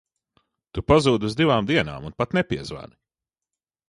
Tu pazūdi uz divām dienām un pat nepiezvani!